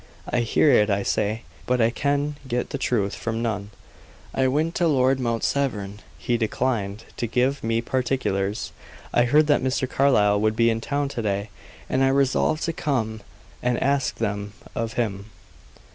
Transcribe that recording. I hear it, I say, but I can get the truth from none. I went to Lord Mount Severn; he declined to give me particulars. I heard that Mr. Carlyle would be in town to day, and I resolved to come and ask them of him."